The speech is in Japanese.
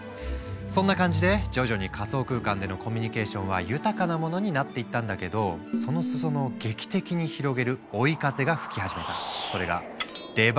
そんな感じで徐々に仮想空間でのコミュニケーションは豊かなものになっていったんだけどその裾野を劇的に広げる追い風が吹き始めた。